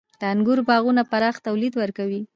• د انګورو باغونه پراخ تولید ورکوي.